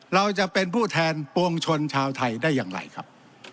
เราจะเป็นผู้แทนปวงชนชาวไทยได้อย่างไรครับ